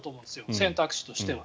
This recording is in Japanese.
選択肢としては。